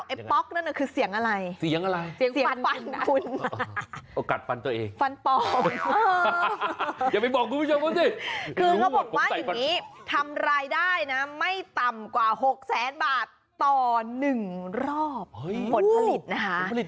ไอ้ป๊อกนั่นคือเสียงอะไรเสียงฟันคุณฟันป๋อมคือเค้าบอกว่าอย่างนี้ทำรายได้นะไม่ต่ำกว่า๖๐๐บาทต่อ๑รอบผลผลิตนะฮะ